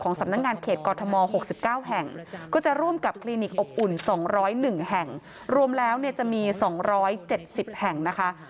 ของสำนักงานเขตกอร์ธมอล๖๙แห่ง